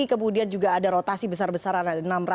kemudian juga ada rotasi besar besaran ada